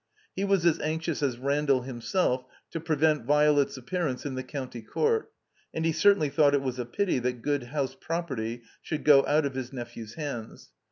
He was as anxious as Randall himself to prevent Violet's ap pearance in the County Court, and he certainly thought it was a pity that good house property should go out of his nephew's hands.